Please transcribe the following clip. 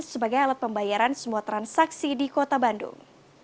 sebagai alat pembayaran semua transaksi di kota bandung